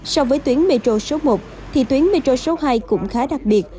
so với tuyến metro số một thì tuyến metro số hai cũng khá đặc biệt